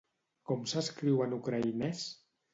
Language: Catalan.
Com s'escriu en ucraïnès?